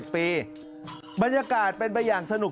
ปีบรรยากาศเป็นไปอย่างสนุก